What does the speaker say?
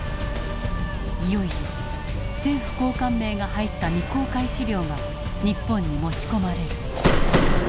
いよいよ政府高官名が入った未公開資料が日本に持ち込まれる。